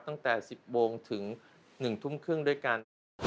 ตั้งแต่๑๐โมงถึง๑ทุ่มครึ่งด้วยกัน